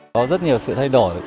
có rất nhiều sự thay đổi